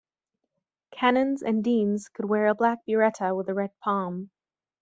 Canons and deans could wear a black biretta with a red pom.